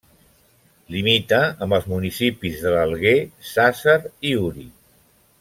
Limita amb els municipis de l'Alguer, Sàsser i Uri.